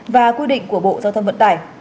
và quy định của bộ giao thông vận tài